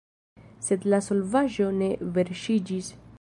Sed la solvaĵo ne verŝiĝis.